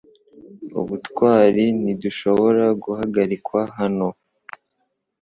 Ubutwari ntidushobora guhagarikwa hano